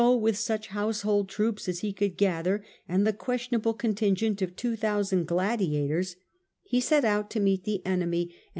So with such household troops as he could them. gather and the questionable contingent of two thousand gladiators, he set out to meet the enemy and A.D.